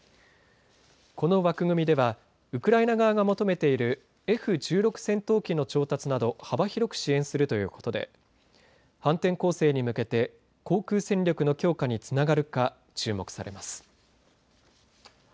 この枠組みではウクライナ側が求めているＦ１６戦闘機の調達など幅広く支援するということで反転攻勢に向けて航空戦力の強化につながるか注目されます。